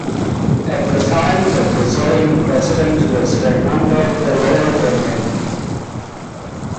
At the time the Brazilian president was Fernando Collor de Mello.